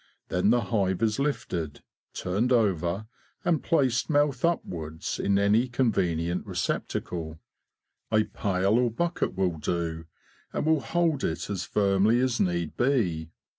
Then the hive is lifted, turned over, and placed mouth upwards in any convenient receptacle—a pail or bucket will do, and will hold it as firmly as need be.